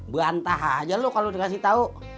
gua antah aja lu kalo dikasih tau